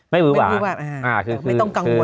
ไม่หวือหวาไม่ต้องกังวลมาก